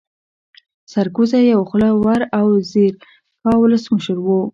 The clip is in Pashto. سرکوزی يو خوله ور او ځيرکا ولسمشر وو